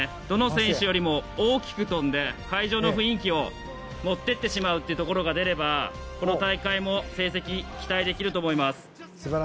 どの選手よりも大きく飛んで会場の雰囲気を持っていってしまうところが出ればこの大会も成績が期待できると思います。